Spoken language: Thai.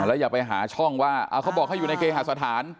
แล้วอย่าไปหาช่องว่าเขาบอกให้อยู่ในเคหาสถาน